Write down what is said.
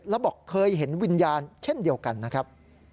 แล้วบอกเคยเห็นวิญญาณเช่นเดียวกันนะครับ